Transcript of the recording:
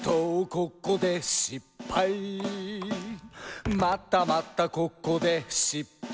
ここでしっぱい」「またまたここでしっぱい」